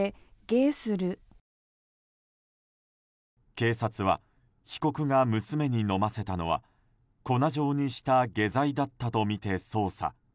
警察は被告が娘に飲ませたのは粉状にした下剤だったとみて捜査。